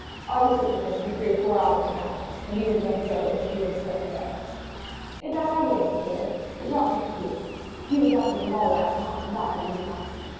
I will sit with him for three or four hours now, and you had better go and get a little fresh air." "That I will, monsieur. Jacques is asleep. He was up with him all last night, and I had a good night.